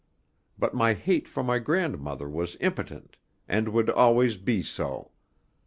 But my hate for my grandmother was impotent, and would always be so.